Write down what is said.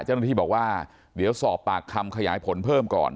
เจ้าหน้าที่บอกว่าเดี๋ยวสอบปากคำขยายผลเพิ่มก่อน